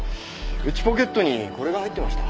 内ポケットにこれが入ってました。